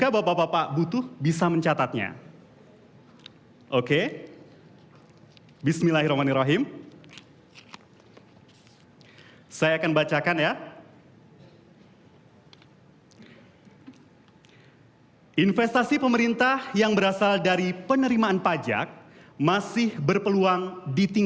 bapak bapak ya bisa dilihat masih tersegel